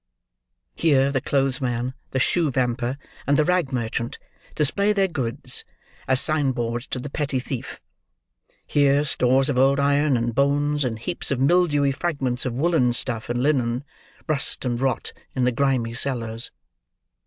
Here, the clothesman, the shoe vamper, and the rag merchant, display their goods, as sign boards to the petty thief; here, stores of old iron and bones, and heaps of mildewy fragments of woollen stuff and linen, rust and rot in the grimy cellars.